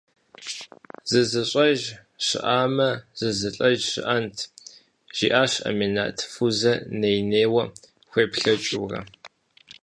«Зызыщӏэж щыӏамэ зызылӏэж щыӏэнт?» - жиӏащ Аминат, Фузэ ней-нейуэ хуеплъэкӏыурэ.